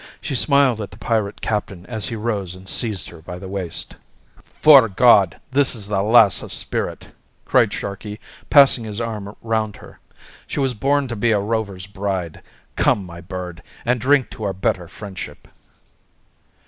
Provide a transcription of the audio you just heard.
She smiled at the pirate captain as he rose and seized her by the waist. "'Fore God! this is a lass of spirit," cried Sharkey, passing his arm round her. "She was born to be a Rover's bride. Come, my bird, and drink to our better friendship."